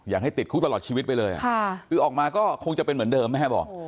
ให้ติดคุกตลอดชีวิตไปเลยคือออกมาก็คงจะเป็นเหมือนเดิมแม่บอก